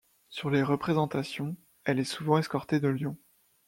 Sur les représentations, elle est souvent escortée de lions.